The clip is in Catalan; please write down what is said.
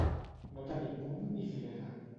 No tenir punt ni filera.